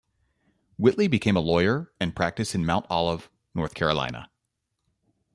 Whitley became a lawyer and practiced in Mount Olive, North Carolina.